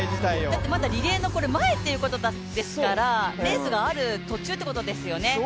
これリレーの前ということですから、レースのある途中ということですよね。